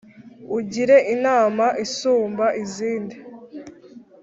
ungire inama isumba izindi